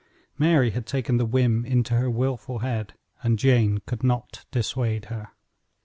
Mary had taken the whim into her wilful head, and Jane could not dissuade her.